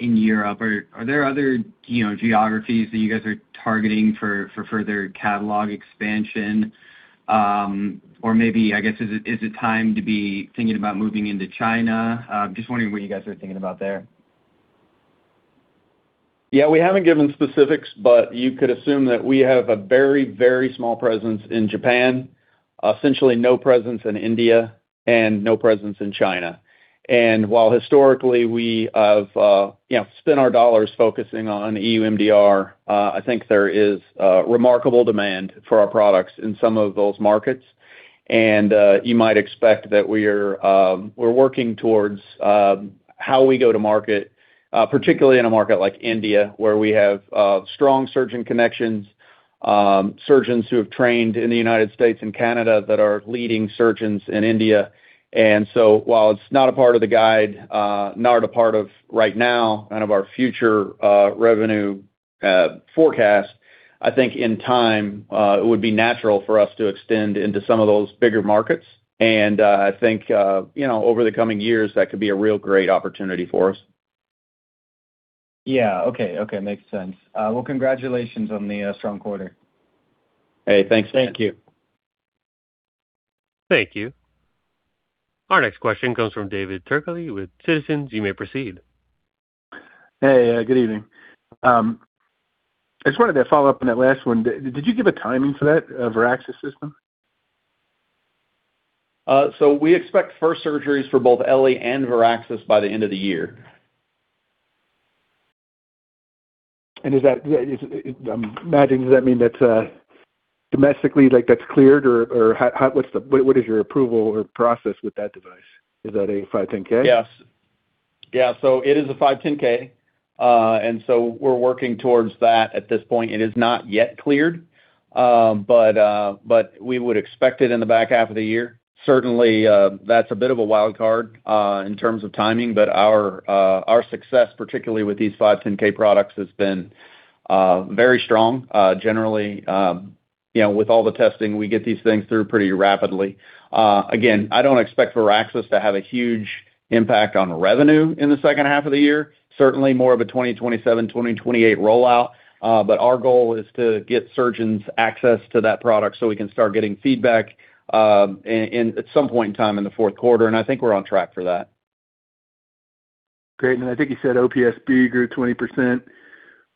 in Europe, are there other, you know, geographies that you guys are targeting for further catalog expansion? Or maybe, I guess, is it time to be thinking about moving into China? Just wondering what you guys are thinking about there. Yeah, we haven't given specifics, but you could assume that we have a very, very small presence in Japan, essentially no presence in India, and no presence in China. While historically we have, you know, spent our dollars focusing on EU MDR, I think there is remarkable demand for our products in some of those markets. You might expect that we're working towards how we go to market, particularly in a market like India, where we have strong surgeon connections, surgeons who have trained in the United States and Canada that are leading surgeons in India. While it's not a part of the guide, not a part of right now, kind of our future, revenue, forecast, I think in time, it would be natural for us to extend into some of those bigger markets. I think, you know, over the coming years, that could be a real great opportunity for us. Yeah. Okay. Makes sense. Well, congratulations on the strong quarter. Hey, thanks. Thank you. Thank you. Our next question comes from David Turkaly with Citizens. You may proceed. Hey, good evening. I just wanted to follow up on that last one. Did you give a timing for that, Veraxis system? We expect first surgeries for both Elli and Veraxis by the end of the year. Is that I imagine does that mean that, domestically, like that's cleared? Or, how, what is your approval or process with that device? Is that a 510(k)? Yes. It is a 510(k). We're working towards that at this point. It is not yet cleared. But we would expect it in the back half of the year. Certainly, that's a bit of a wild card in terms of timing. Our success, particularly with these 510(k) products, has been very strong. Generally, you know, with all the testing, we get these things through pretty rapidly. Again, I don't expect Veraxis to have a huge impact on revenue in the second half of the year. Certainly more of a 2027, 2028 rollout. Our goal is to get surgeons access to that product, we can start getting feedback at some point in time in the fourth quarter. I think we're on track for that. Great. I think you said OPSB grew 20%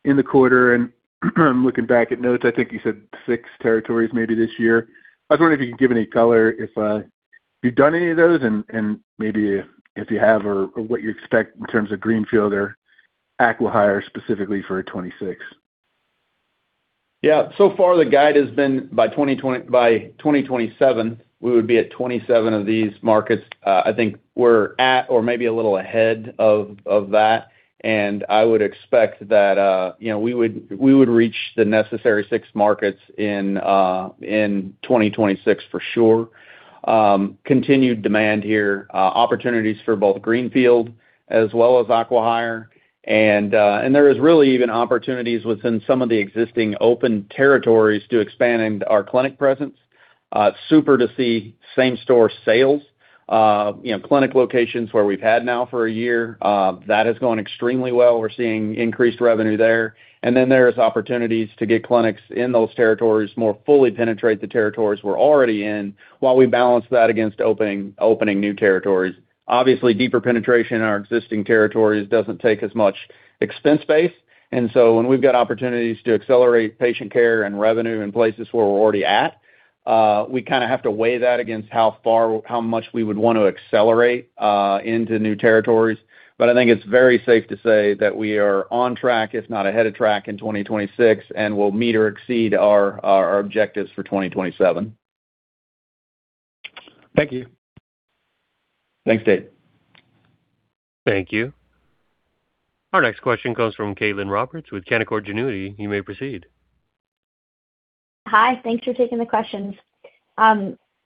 in the quarter. Looking back at notes, I think you said six territories maybe this year. I was wondering if you could give any color if you've done any of those and maybe if you have or what you expect in terms of Greenfield or acqui-hire specifically for 2026. So far the guide has been by 2027, we would be at 27 of these markets. I think we're at or maybe a little ahead of that. I would expect that, you know, we would reach the necessary 6 markets in 2026 for sure. Continued demand here, opportunities for both Greenfield as well as acqui-hire. There is really even opportunities within some of the existing open territories to expand into our clinic presence. Super to see same store sales, you know, clinic locations where we've had now for a year, that has gone extremely well. We're seeing increased revenue there. There's opportunities to get clinics in those territories more fully penetrate the territories we're already in, while we balance that against opening new territories. Obviously, deeper penetration in our existing territories doesn't take as much expense base. When we've got opportunities to accelerate patient care and revenue in places where we're already at, we kind of have to weigh that against how much we would want to accelerate into new territories. I think it's very safe to say that we are on track, if not ahead of track in 2026, and we'll meet or exceed our objectives for 2027. Thank you. Thanks, David. Thank you. Our next question comes from Caitlin Roberts with Canaccord Genuity. You may proceed. Hi. Thanks for taking the questions. Hi,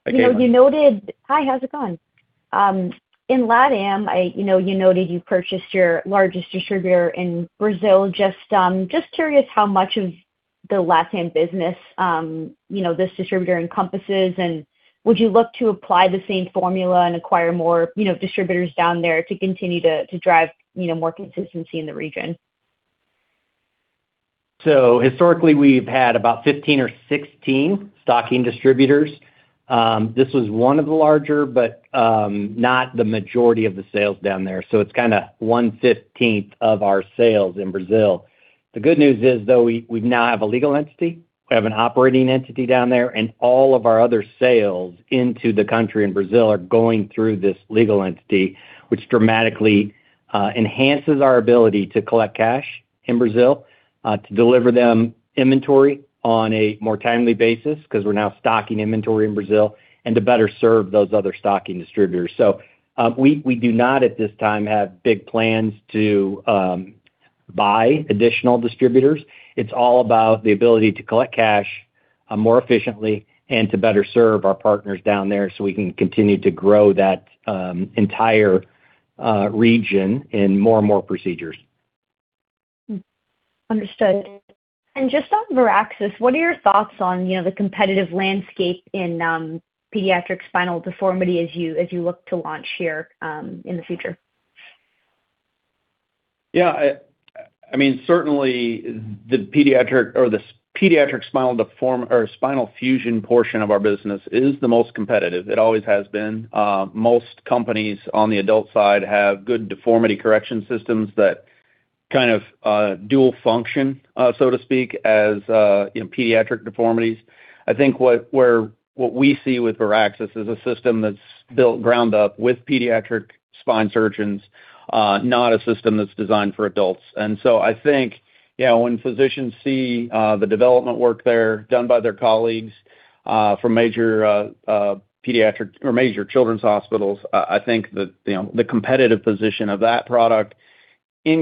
Caitlin. Hi, how's it going? In LATAM, you know, you noted you purchased your largest distributor in Brazil. Just curious how much of the LATAM business, you know, this distributor encompasses, and would you look to apply the same formula and acquire more, you know, distributors down there to continue to drive, you know, more consistency in the region? Historically we've had about 15 or 16 stocking distributors. This was one of the larger, but not the majority of the sales down there. It's kind of 1/15 of our sales in Brazil. The good news is, though, we now have a legal entity, we have an operating entity down there, and all of our other sales into the country in Brazil are going through this legal entity, which dramatically enhances our ability to collect cash in Brazil, to deliver them inventory on a more timely basis, because we're now stocking inventory in Brazil and to better serve those other stocking distributors. We do not at this time have big plans to buy additional distributors. It's all about the ability to collect cash, more efficiently and to better serve our partners down there so we can continue to grow that entire region in more and more procedures. Understood. Just on VerteGlide, what are your thoughts on, you know, the competitive landscape in pediatric spinal deformity as you look to launch here in the future? I mean, certainly the pediatric spinal fusion portion of our business is the most competitive. It always has been. Most companies on the adult side have good deformity correction systems that kind of dual function, so to speak, as, you know, pediatric deformities. I think what we see with VerteGlide is a system that's built ground up with pediatric spine surgeons, not a system that's designed for adults. I think, you know, when physicians see the development work there done by their colleagues from major pediatric or major children's hospitals, I think that, you know, the competitive position of that product in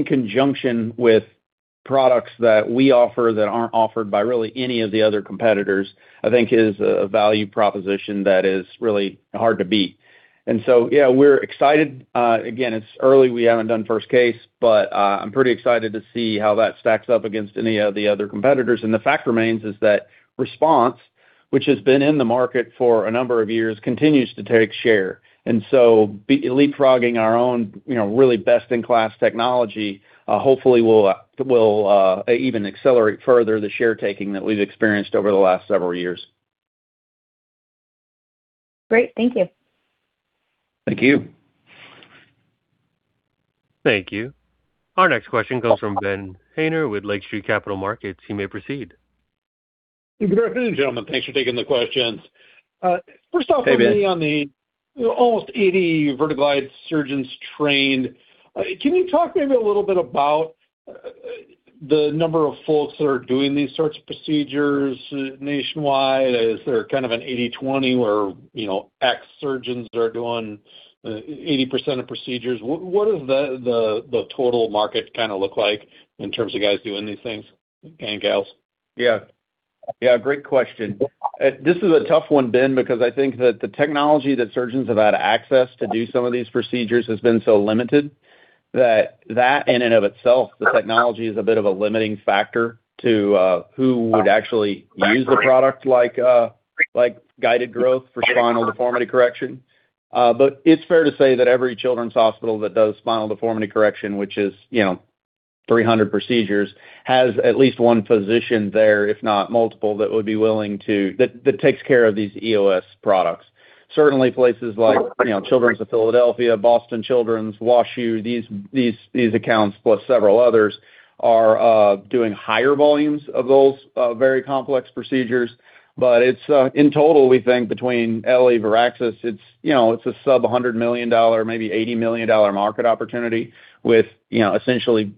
conjunction with products that we offer that aren't offered by really any of the other competitors, I think is a value proposition that is really hard to beat. Yeah, we're excited. Again, it's early, we haven't done first case, but I'm pretty excited to see how that stacks up against any of the other competitors. The fact remains is that RESPONSE, which has been in the market for a number of years, continues to take share. Leapfrogging our own, you know, really best in class technology, hopefully will even accelerate further the share taking that we've experienced over the last several years. Great. Thank you. Thank you. Thank you. Our next question comes from Ben Haynor with Lake Street Capital Markets. He may proceed. Good afternoon, gentlemen. Thanks for taking the questions. Hey, Ben. On the almost 80 VerteGlide surgeons trained, can you talk maybe a little bit about the number of folks that are doing these sorts of procedures nationwide? Is there kind of an 80/20 where, you know, ex surgeons are doing 80% of procedures? What, what does the total market kind of look like in terms of guys doing these things and gals? Yeah, great question. This is a tough one, Ben Haynor, because I think that the technology that surgeons have had access to do some of these procedures has been so limited that that in and of itself, the technology is a bit of a limiting factor to who would actually use the product like guided growth for spinal deformity correction. It's fair to say that every children's hospital that does spinal deformity correction, which is, you know, 300 procedures, has at least one physician there, if not multiple, that takes care of these EOS products. Certainly places like, you know, Children's Hospital of Philadelphia, Boston Children's Hospital, WashU, these accounts, plus several others, are doing higher volumes of those very complex procedures. It's, in total, we think between Elli, Veraxis, it's, you know, it's a sub $100 million, maybe $80 million market opportunity with, you know, essentially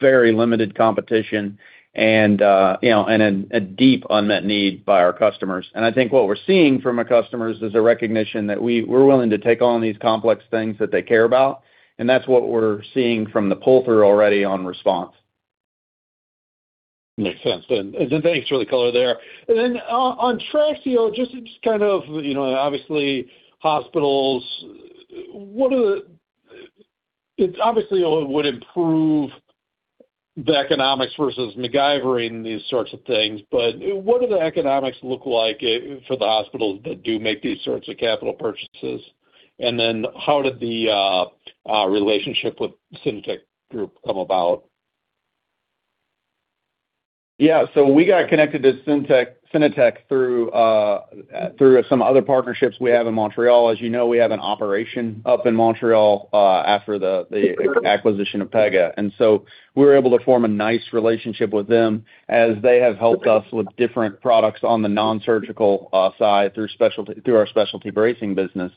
very limited competition and, you know, a deep unmet need by our customers. I think what we're seeing from our customers is a recognition that we're willing to take on these complex things that they care about, and that's what we're seeing from the pull-through already on RESPONSE. Makes sense. Thanks for the color there. Then on Traxio, just kind of, you know, obviously hospitals, it obviously would improve the economics versus MacGyvering these sorts of things, but what do the economics look like for the hospitals that do make these sorts of capital purchases? Then how did the relationship with Syntec Group come about? We got connected to Syntec through some other partnerships we have in Montreal. As you know, we have an operation up in Montreal after the acquisition of Pega. We were able to form a nice relationship with them as they have helped us with different products on the nonsurgical side through our specialty bracing business.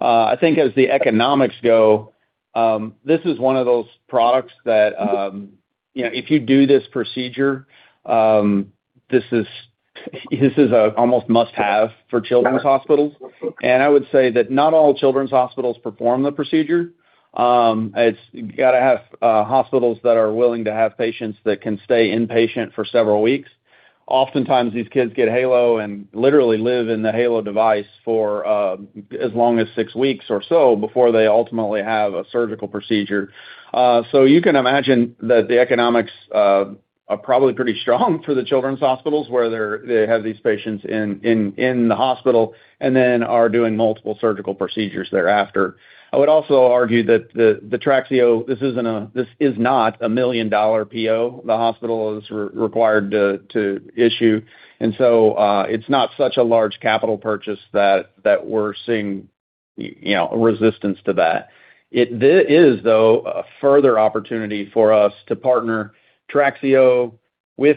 I think as the economics go, this is one of those products that, you know, if you do this procedure, this is almost a must-have for children's hospitals. I would say that not all children's hospitals perform the procedure. It has to have hospitals that are willing to have patients that can stay inpatient for several weeks. Oftentimes, these kids get Halo and literally live in the Halo device for as long as 6 weeks or so before they ultimately have a surgical procedure. You can imagine that the economics are probably pretty strong for the children's hospitals where they have these patients in the hospital and then are doing multiple surgical procedures thereafter. I would also argue that the TRAXIO, this is not a $1 million PO the hospital is required to issue. It's not such a large capital purchase that we're seeing, you know, resistance to that. It is, though, a further opportunity for us to partner TRAXIO with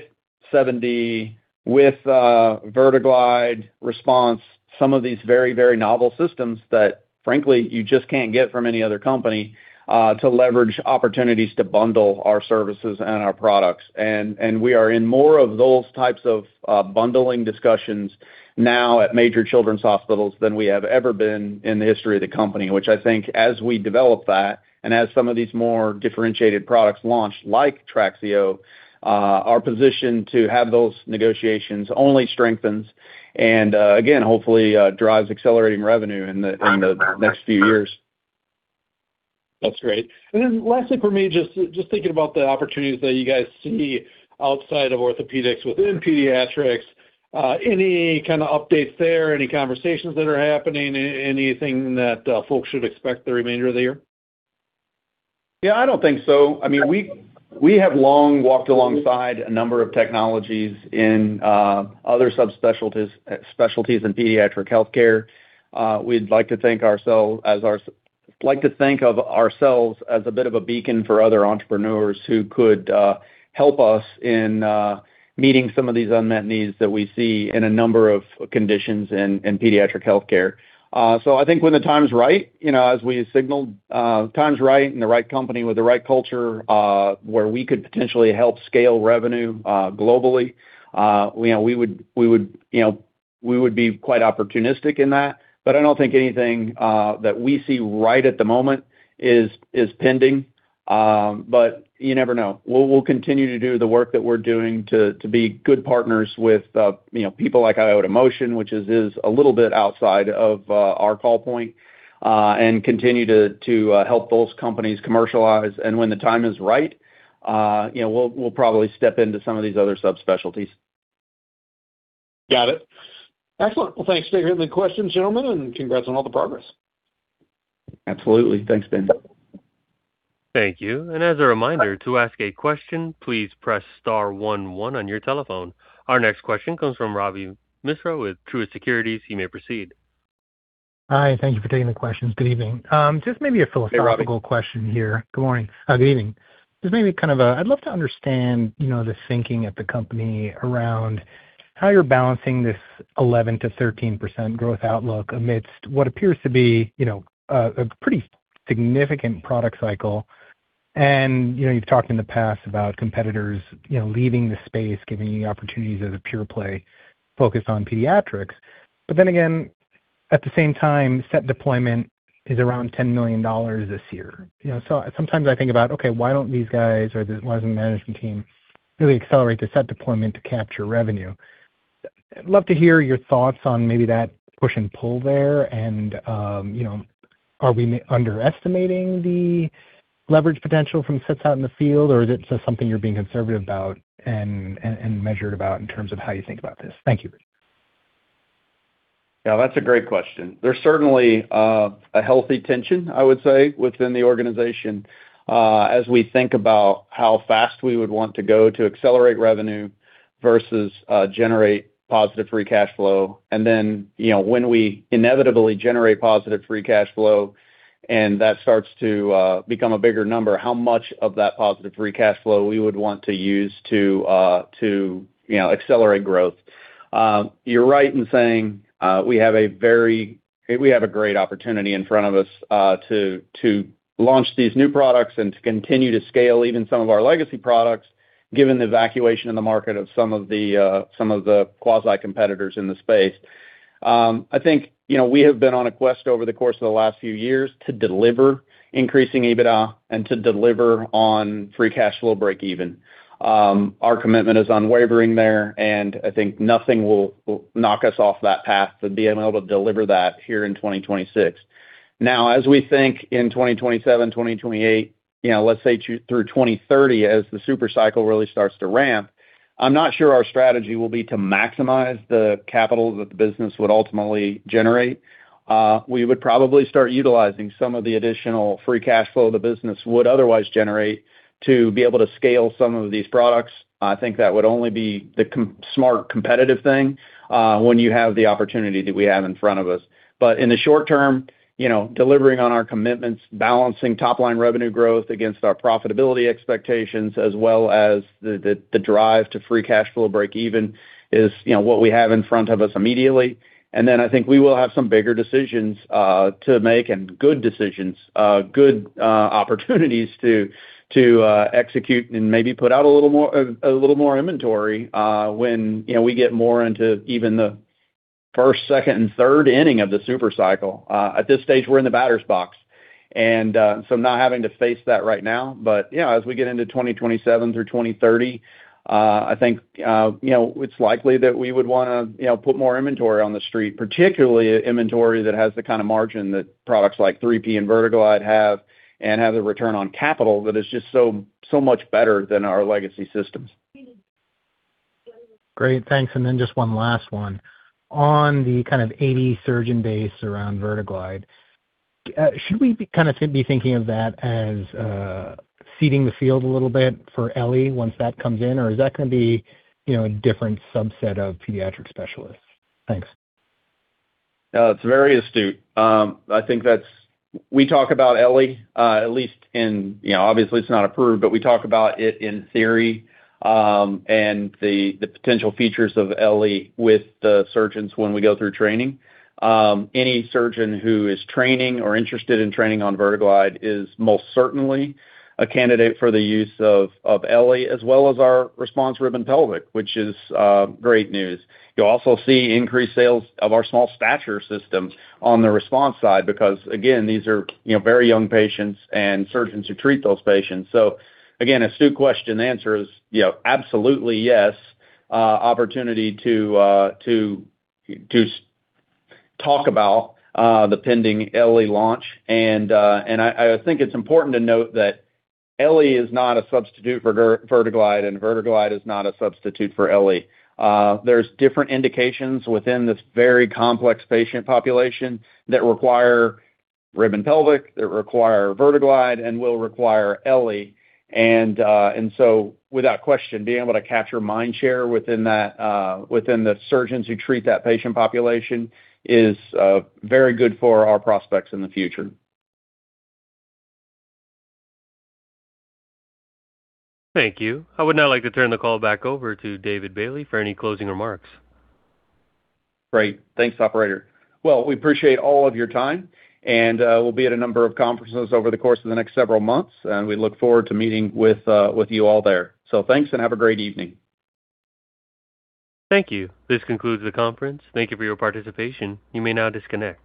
7D, with VerteGlide RESPONSE, some of these very, very novel systems that, frankly, you just can't get from any other company, to leverage opportunities to bundle our services and our products. We are in more of those types of bundling discussions now at major children's hospitals than we have ever been in the history of the company, which I think as we develop that and as some of these more differentiated products launch, like TRAXIO, our position to have those negotiations only strengthens and, again, hopefully, drives accelerating revenue in the next few years. That's great. Lastly for me, just thinking about the opportunities that you guys see outside of orthopedics within pediatrics, any kind of updates there? Any conversations that are happening? Anything that folks should expect the remainder of the year? Yeah, I don't think so. I mean, we have long walked alongside a number of technologies in other subspecialties in pediatric healthcare. We'd like to think of ourselves as a bit of a beacon for other entrepreneurs who could help us in meeting some of these unmet needs that we see in a number of conditions in pediatric healthcare. I think when the time's right, you know, as we signaled, time's right and the right company with the right culture, where we could potentially help scale revenue globally, you know, we would be quite opportunistic in that. I don't think anything that we see right at the moment is pending. You never know. We'll continue to do the work that we're doing to be good partners with, you know, people like iotaMotion, which is a little bit outside of our call point and continue to help those companies commercialize. When the time is right, you know, we'll probably step into some of these other subspecialties. Got it. Excellent. Well, thanks for taking the questions, gentlemen, and congrats on all the progress. Absolutely. Thanks, Ben. Thank you. As a reminder, to ask a question, please press star one one on your telephone. Our next question comes from Ravi Misra with Truist Securities. You may proceed. Hi, thank you for taking the questions. Good evening. Hey, Ravi. Question here. Good evening. I'd love to understand, you know, the thinking at the company around how you're balancing this 11%-13% growth outlook amidst what appears to be, you know, a pretty significant product cycle. You know, you've talked in the past about competitors, you know, leaving the space, giving you opportunities as a pure play focused on pediatrics. Then again, at the same time, set deployment is around $10 million this year. You know, sometimes I think about, okay, why don't these guys or the management team really accelerate the set deployment to capture revenue? I'd love to hear your thoughts on maybe that push and pull there and, you know, are we underestimating the leverage potential from sets out in the field, or is it just something you're being conservative about and measured about in terms of how you think about this? Thank you. Yeah, that's a great question. There's certainly a healthy tension, I would say, within the organization as we think about how fast we would want to go to accelerate revenue versus generate positive free cash flow. Then, you know, when we inevitably generate positive free cash flow and that starts to become a bigger number, how much of that positive free cash flow we would want to use to, you know, accelerate growth. You're right in saying, we have a great opportunity in front of us, to launch these new products and to continue to scale even some of our legacy products, given the evacuation in the market of some of the some of the quasi competitors in the space. I think, you know, we have been on a quest over the course of the last few years to deliver increasing EBITDA and to deliver on free cash flow breakeven. Our commitment is unwavering there, and I think nothing will knock us off that path to being able to deliver that here in 2026. Now, as we think in 2027, 2028, you know, let's say through 2030, as the super cycle really starts to ramp, I'm not sure our strategy will be to maximize the capital that the business would ultimately generate. We would probably start utilizing some of the additional free cash flow the business would otherwise generate to be able to scale some of these products. I think that would only be the smart competitive thing when you have the opportunity that we have in front of us. In the short term, you know, delivering on our commitments, balancing top-line revenue growth against our profitability expectations as well as the drive to free cash flow breakeven is, you know, what we have in front of us immediately. I think we will have some bigger decisions to make and good decisions, good opportunities to execute and maybe put out a little more inventory when, you know, we get more into even the first, second and third inning of the super cycle. At this stage, we're in the batter's box. I'm not having to face that right now. Yeah, as we get into 2027 through 2030, I think, you know, it's likely that we would wanna, you know, put more inventory on the street, particularly inventory that has the kind of margin that products like 3P and VerteGlide have and have the return on capital that is just so much better than our legacy systems. Great, thanks. Just one last one. On the kind of 80 surgeon base around VerteGlide, should we be kinda be thinking of that as seeding the field a little bit for Elli once that comes in? Is that gonna be, you know, a different subset of pediatric specialists? Thanks. It's very astute. We talk about Elli, at least in, you know, obviously it's not approved, but we talk about it in theory, and the potential features of Elli with the surgeons when we go through training. Any surgeon who is training or interested in training on VerteGlide is most certainly a candidate for the use of Elli as well as our RESPONSE Rib and Pelvic System, which is great news. You'll also see increased sales of our small stature systems on the Response side because, again, these are, you know, very young patients and surgeons who treat those patients. Again, astute question. The answer is, you know, absolutely yes, opportunity to talk about the pending Elli launch. I think it's important to note that Elli is not a substitute for VerteGlide, and VerteGlide is not a substitute for Elli. There's different indications within this very complex patient population that require RESPONSE Rib and Pelvic System, that require VerteGlide and will require Elli. Without question, being able to capture mind share within that, within the surgeons who treat that patient population is very good for our prospects in the future. Thank you. I would now like to turn the call back over to David Bailey for any closing remarks. Great. Thanks, operator. We appreciate all of your time, and we'll be at a number of conferences over the course of the next several months, and we look forward to meeting with you all there. Thanks, and have a great evening. Thank you. This concludes the conference. Thank you for your participation. You may now disconnect.